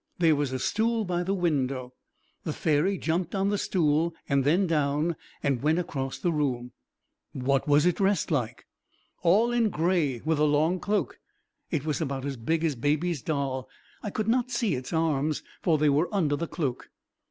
There was a stool by the window. The fairy jumped on the stool and then down, and went across the room." "What was it dressed like?" "All in grey, with a long cloak. It was about as big as Baby's doll. I could not see its arms, for they were under the cloak."